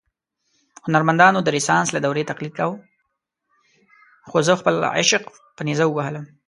خو زه خپل عشق په نیزه ووهلم.